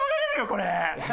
これ。